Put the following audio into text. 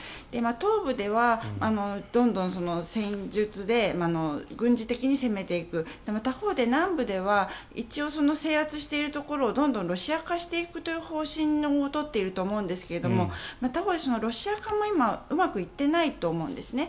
東部では、どんどん戦術で軍事的に攻めていく他方で南部では制圧しているところをどんどんロシア化していくという方針も取っていると思うんですが他方、ロシア化も今、うまくいっていないと思うんですね。